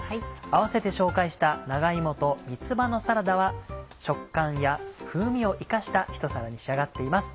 併せて紹介した「長芋と三つ葉のサラダ」は食感や風味を生かしたひと皿に仕上がっています。